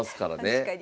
確かに。